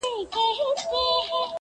غلیم خو به ویل چي دا وړۍ نه شړۍ کیږي؛